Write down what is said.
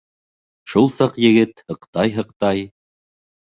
Шул саҡ егет һыҡтай-һыҡтай: